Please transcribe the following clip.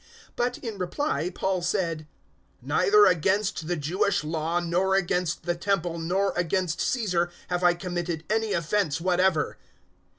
025:008 But, in reply, Paul said, "Neither against the Jewish Law, nor against the Temple, nor against Caesar, have I committed any offence whatever."